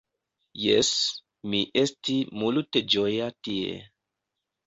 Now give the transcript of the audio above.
Jes, mi esti multe ĝoja tie.